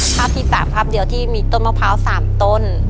ภาพที่๓ภาพเดียวที่มีต้นมะพร้าว๓ต้น